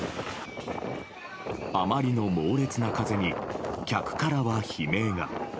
あまりの猛烈な風に客からは悲鳴が。